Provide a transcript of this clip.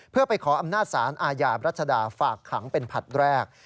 เพื่อไปขออำนาจศาลอาญารัชดาฝากขังเป็นผลัดแรก